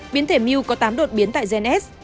biến thể mew có tám đột biến tại gen s